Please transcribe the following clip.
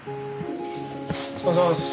お疲れさまです。